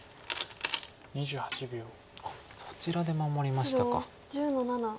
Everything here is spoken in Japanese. あっそちらで守りましたか。